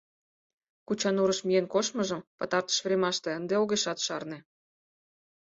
Кучанурыш миен коштмыжым пытартыш времаште ынде огешат шарне.